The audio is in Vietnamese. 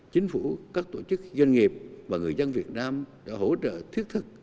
chính phủ các tổ chức doanh nghiệp và người dân việt nam đã hỗ trợ thiết thức